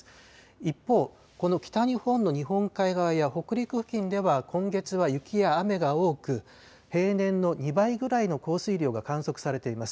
一方、この北日本の日本海側や北陸付近では、今月は雪や雨が多く、平年の２倍ぐらいの降水量が観測されています。